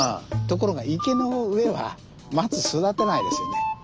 ところが池の上は松育たないですよね。